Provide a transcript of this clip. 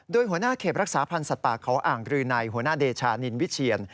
โดยหัวหน้าเขตรักษาพันธ์สัตว์ป่าเขาอ่างรือในหัวหน้าเดชานินวิเชียน